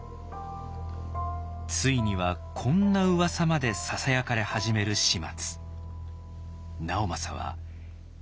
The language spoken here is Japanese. ついにはこんなうわさまでささやかれ始める始末。